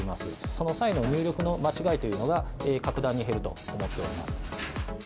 その際の入力の間違いというのが格段に減ると思っております。